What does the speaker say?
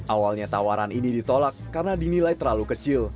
awalnya tawaran ini ditolak karena dinilai terlalu kecil